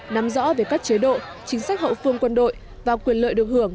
nắm rõ về các chế độ chính sách hậu phương quân đội và quyền lợi được hưởng